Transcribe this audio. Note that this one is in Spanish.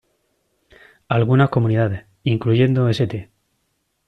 Algunas comunidades, incluyendo St.